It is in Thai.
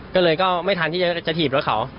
ก็เลยก็ไม่ทันที่จะถีบรถเขา